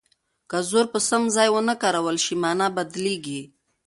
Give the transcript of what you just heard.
که زور په سم ځای ونه کارول شي مانا بدلیږي.